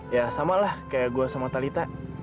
ya sama lah kayak gue sama talitha